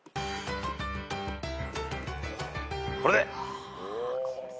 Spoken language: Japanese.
これで。